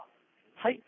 はい？